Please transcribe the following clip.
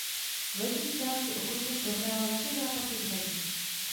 V letní části okruhu prohrála tři zápasy v řadě.